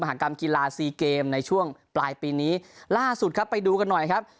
หากรรมกีฬาซีเกมในช่วงปลายปีนี้ล่าสุดครับไปดูกันหน่อยครับ